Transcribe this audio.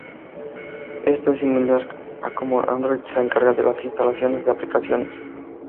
Esto es similar a cómo Android se encarga de las instalaciones de aplicaciones.